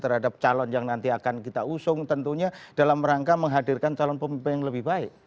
terhadap calon yang nanti akan kita usung tentunya dalam rangka menghadirkan calon pemimpin yang lebih baik